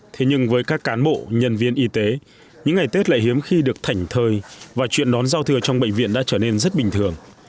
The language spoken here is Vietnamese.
thế nhưng với các cán bộ nhân viên y tế những ngày tết lại hiếm khi được thảnh thời và chuyện đón giao thừa trong bệnh viện đã trở nên rất bình thường